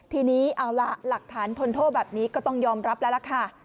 ทีนี้เอาล่ะหลักฐานทนโทษแบบนี้ก็ต้องยอมรับแล้วล่ะค่ะ